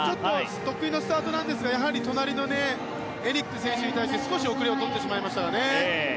得意のスタートなんですがやはり隣のエニック選手に対して少し後れを取ってしまいましたね。